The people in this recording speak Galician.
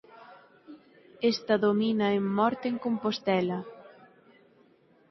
Esta domina en "Morte en Compostela".